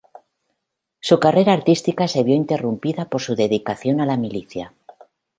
Su carrera artística se vio interrumpida por su dedicación a la milicia.